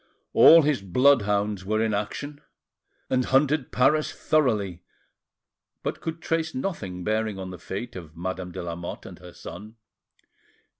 All his bloodhounds were in action, and hunted Paris thoroughly, but could trace nothing bearing on the fate of Madame de Lamotte and her son.